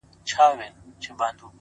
چي له بې ميني ژونده،